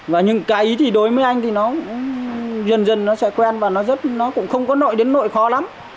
và nhưng cái ý thì đối với anh thì nó dần dần nó sẽ quen và nó cũng không có nội đến nội khó lắm